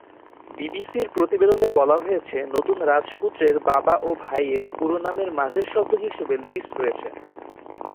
বিবিসির প্রতিবেদনে বলা হয়েছে, নতুন রাজপুত্রের বাবা ও ভাইয়ের পুরো নামের মাঝের শব্দ হিসেবে লুইস রয়েছে।